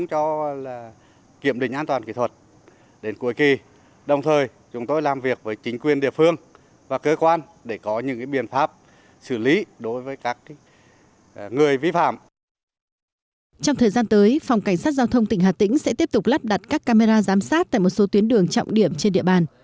trong thời gian tới phòng cảnh sát giao thông tỉnh hà tĩnh sẽ tiếp tục lắp đặt các camera giám sát tại một số tuyến đường trọng điểm trên địa bàn